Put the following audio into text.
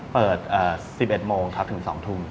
เปิด๑๑โมงครับถึง๒ทุ่ม